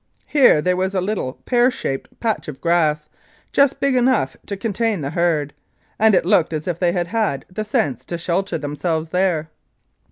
Here there was a little pear shaped patch of grass, just big enough to contain the herd, and it looked as if they had had the sense to shelter them selves there.